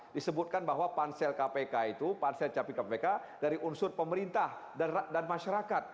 disebutkan bahwa pansel kpk itu pansel capi kpk dari unsur pemerintah dan masyarakat